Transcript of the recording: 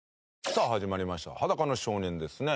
さあ始まりました『裸の少年』ですね。